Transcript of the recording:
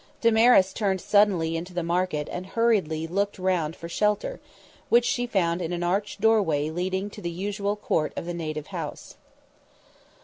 Damaris turned suddenly into the market and hurriedly looked round for shelter, which she found in an arched doorway leading to the usual court of the native house.